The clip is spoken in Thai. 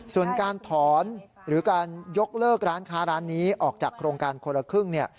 ส่วนการถอนหรือการยกเลิกร้านค้าร้านนี้ออกจากโครงการคนละครึ่งเนี่ย